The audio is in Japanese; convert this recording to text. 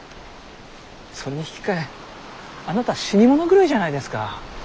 それに引き換えあなた死に物狂いじゃないですか。